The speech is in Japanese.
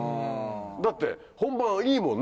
だって、本番いいもんね。